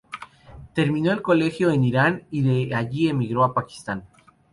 Terminó el colegio en Irán y de allí emigró a Pakistán.